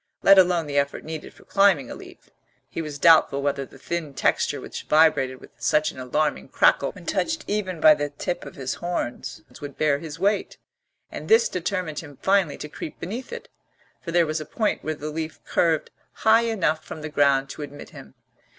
Let alone the effort needed for climbing a leaf, he was doubtful whether the thin texture which vibrated with such an alarming crackle when touched even by the tip of his horns would bear his weight; and this determined him finally to creep beneath it, for there was a point where the leaf curved high enough from the ground to admit him.